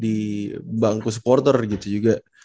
di bangku supporter gitu juga